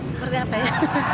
seperti apa ya